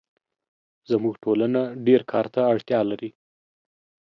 زموږ ټولنه ډېرکار ته اړتیا لري